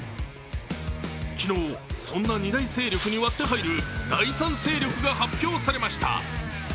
昨日、そんな二大勢力に割って入る第三勢力が発表されました。